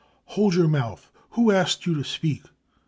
' Hold your mouth, who asked you to speak